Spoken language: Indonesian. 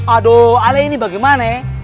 aduh ale ini bagaimana ee